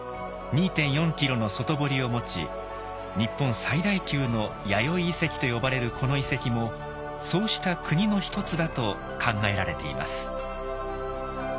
２．４キロの外堀を持ち日本最大級の弥生遺跡と呼ばれるこの遺跡もそうしたクニの一つだと考えられています。